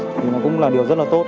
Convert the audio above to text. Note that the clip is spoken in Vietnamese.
thì nó cũng là điều rất là tốt